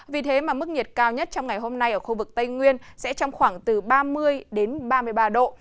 vì thế mà mức nhiệt cao nhất trong ngày hôm nay ở khu vực tây nguyên sẽ trong khoảng từ ba mươi đến ba mươi ba độ